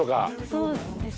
そうですね。